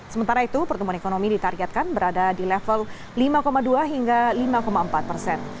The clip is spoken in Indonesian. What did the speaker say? sementara itu pertumbuhan ekonomi ditargetkan berada di level lima dua hingga lima empat persen